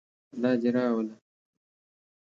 The Georgia State Sports Arena consists of four stories.